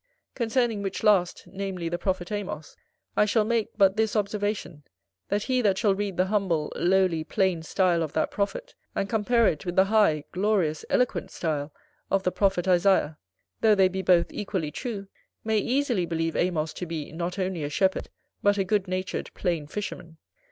Concerning which last, namely the prophet Amos, I shall make but this observation, that he that shall read the humble, lowly, plain style of that prophet, and compare it with the high, glorious, eloquent style of the prophet Isaiah, though they be both equally true, may easily believe Amos to be, not only a shepherd, but a good natured plain fisherman.